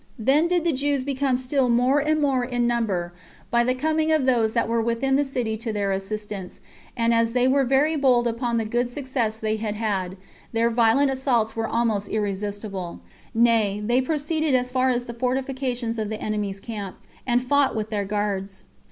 Then did the Jews become still more and more in number by the coming of those that were within the city to their assistance; and as they were very bold upon the good success they had had, their violent assaults were almost irresistible; nay, they proceeded as far as the fortifications of the enemies' camp, and fought with their guards.